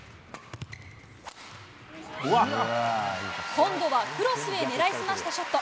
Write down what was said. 今度は、クロスへ狙い澄ましたショット。